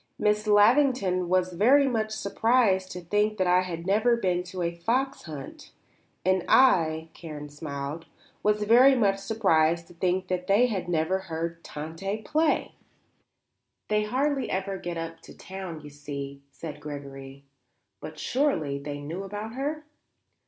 Miss Lavington was very much surprised to think that I had never been to a fox hunt; and I," Karen smiled, "was very much surprised to think that they had never heard Tante play." "They hardly ever get up to town, you see," said Gregory. "But surely they knew about her?"